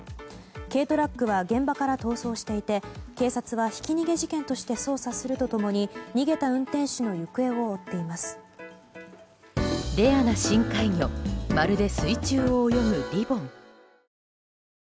軽トラックは現場から逃走していて警察はひき逃げ事件として捜査すると共に逃げた運転手の行方を追っています。